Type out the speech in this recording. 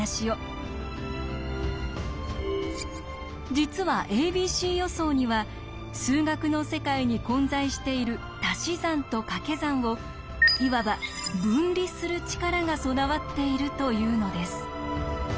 実は「ａｂｃ予想」には数学の世界に混在しているたし算とかけ算をいわば分離する力が備わっているというのです。